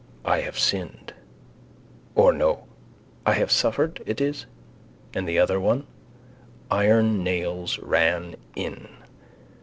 I have sinned: or no: I have suffered, it is. And the other one? Iron nails ran in.